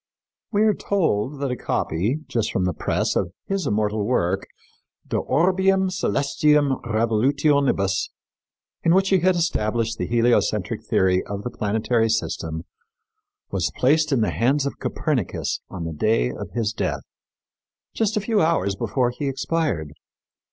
We are told that a copy, just from the press, of his immortal work, De Orbium Celestium Revolutionibus, in which he had established the heliocentric theory of the planetary system, was placed in the hands of Copernicus on the day of his death, just a few hours before he expired.